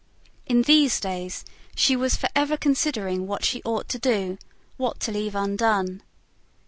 In these days, she was for ever considering what she ought to do, what to leave undone.